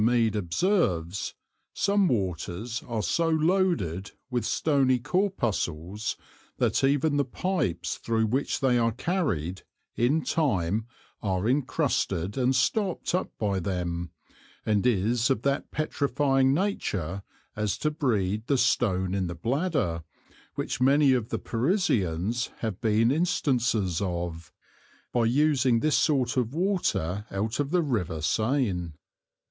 Mead_ observes, some waters are so loaded with stony Corpuscles, that even the Pipes thro' which they are carried, in time are incrusted and stopt up by them, and is of that petrifying nature as to breed the Stone in the Bladder, which many of the Parisians have been instances of, by using this sort of water out of the River Seine.